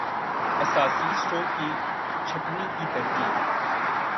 اساسی-سٹروک کی چھٹنی کی ترتیب